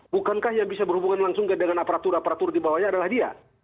bukankah yang bisa berhubungan langsung dengan aparatur aparatur di bawahnya adalah dia